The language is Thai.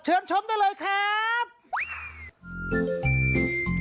เชิญชมได้เลยครับ